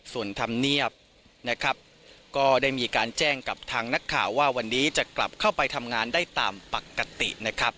ส่วนธรรมเนียบนะครับก็ได้มีการแจ้งกับทางนักข่าวว่าวันนี้จะกลับเข้าไปทำงานได้ตามปกตินะครับ